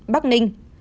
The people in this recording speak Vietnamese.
bốn bắc ninh